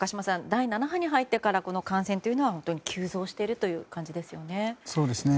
第７波に入ってから感染というのは急増しているという感じですよね。